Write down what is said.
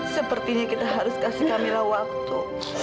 sepertinya kita harus kasih kamilah waktu